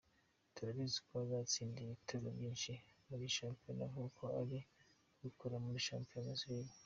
Turabizi ko azatsinda ibitego byinshi muri shampiyona nkuko ari kubikora muri Champions League.